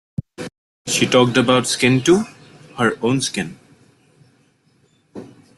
She talked about skin too — her own skin.